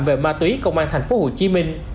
về ma túy công an thành phố hồ chí minh